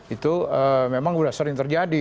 itu memang sudah sering terjadi